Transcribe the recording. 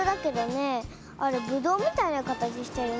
あれぶどうみたいなかたちしてるね。